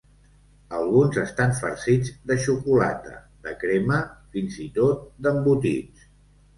Alguns estan farcits de xocolata, de crema, fins i tot d'embotits.